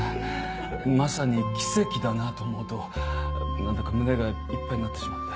まさに奇跡だなと思うとなんだか胸がいっぱいになってしまって。